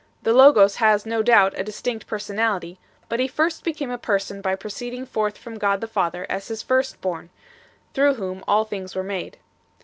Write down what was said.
The Logos has no doubt a distinct personality, but He first became a Person by proceeding forth from God the Father as His first born, through Whom all things were made.